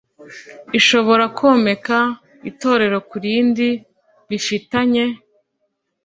ishobora komeka itorero kurindi bifitanye